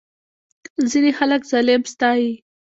ځینې خلک ظالم ستایي.